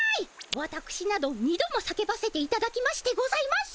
わたくしなど２度も叫ばせていただきましてございます。